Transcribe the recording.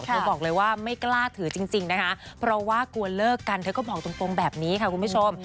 เธอบอกเลยว่าไม่กล้าถือจริงนะคะเพราะว่ากลัวเลิกกันเธอก็บอกตรงแบบนี้ค่ะคุณผู้ชม